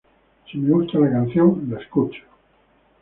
Si me gusta la canción, la escucho.